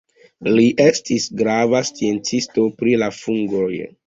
Li estis grava sciencisto pri la fungoj.